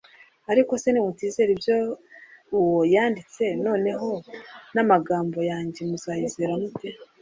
Ariko se nimutizera ibyo uwo yanditse, noneho n’amagambo yanjye muzayizera mute ?